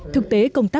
thực tế công tác